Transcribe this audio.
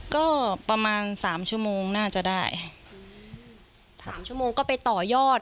ก็ประมาณสามชั่วโมงน่าจะได้สามชั่วโมงก็ไปต่อยอด